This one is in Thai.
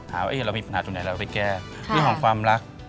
หาว่าเรามีปัญหาตรงไหนเราก็ไปแก้เรื่องของความรัก